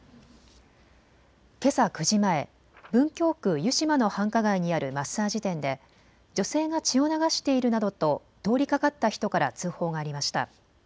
けさ９時前、文京区湯島の繁華街にあるマッサージ店で女性が血を流しているなどと通りかかった人から通報がありました。